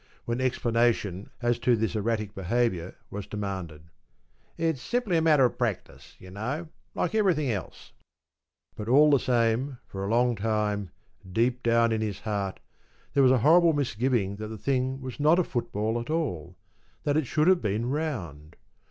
when explanation as to this erratic behaviour was demanded. ‘It's simply a matter of practice, you know, like everything else.’ But all the same for a long time, deep down in his heart, there was a horrible misgiving that the thing was not a football at all—that it should have been round.